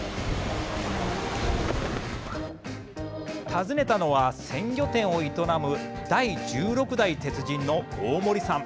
訪ねたのは鮮魚店を営む第１６代鉄人の大森さん。